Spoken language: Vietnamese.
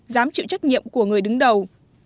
dám chịu trách nhiệm của người đứng đầu